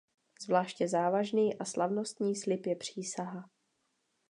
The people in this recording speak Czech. Zvláště závažný a slavnostní slib je přísaha.